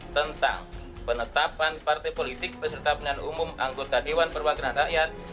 tentang penetapan partai politik peserta pemilihan umum anggota dewan perwakilan rakyat